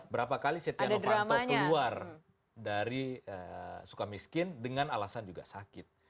berapa kali setia novanto keluar dari sukamiskin dengan alasan juga sakit